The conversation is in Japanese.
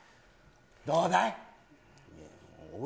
どうだい？